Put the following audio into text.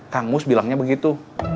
kang mus bilangnya begitu